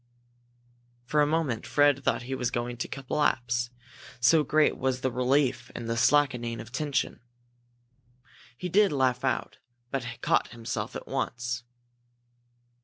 For a moment Fred thought he was going to collapse, so great was the relief and the slackening of tension. He did laugh out, but caught himself at once.